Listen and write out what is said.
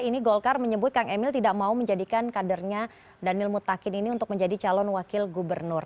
ini golkar menyebut kang emil tidak mau menjadikan kadernya daniel mutakin ini untuk menjadi calon wakil gubernur